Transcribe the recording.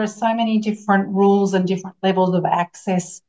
ada banyak peraturan dan level akses